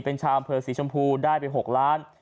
เป็นชาวอำเภอสีชมพูได้ไป๖ล้าน